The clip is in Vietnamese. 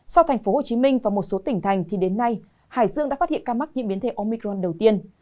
sau thành phố hồ chí minh và một số tỉnh thành thì đến nay hải dương đã phát hiện ca mắc những biến thể omicron đầu tiên